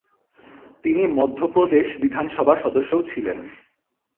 তিনি মধ্য প্রদেশ বিধানসভার সদস্যও ছিলেন।